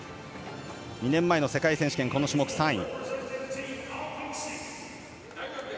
２年前の世界選手権この種目３位。